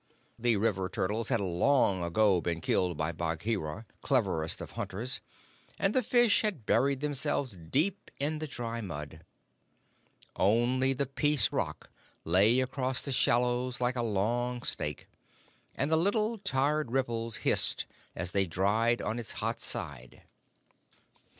The river turtles had long ago been killed by Bagheera, cleverest of hunters, and the fish had buried themselves deep in the dry mud. Only the Peace Rock lay across the shallows like a long snake, and the little tired ripples hissed as they dried on its hot side.